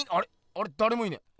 あれだれもいねえ。